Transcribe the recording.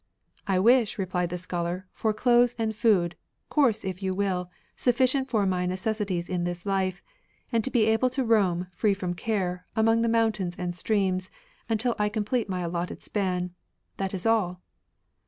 " I wish," repUed the scholar, " for clothes and food, coarse if you will, sufficient for my neces sities in this life, and to be able to roam, free from care, among the mountains and streams, until I complete my allotted span ; that is all."